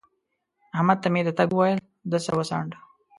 احمد ته مې د تګ وويل؛ ده سر وڅانډه